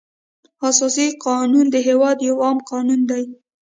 اساسي قانون د هېواد یو عام قانون دی.